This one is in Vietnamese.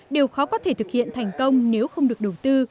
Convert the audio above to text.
điều khó có thể thực hiện thành công nếu không được đầu tư